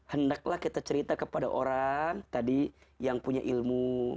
hendaklah kita cerita kepada orang tadi yang punya ilmu